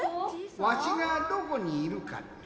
わしがどこにいるかって？